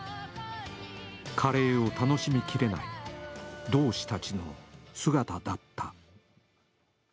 カレーを楽しみきれない同志たちの姿だった。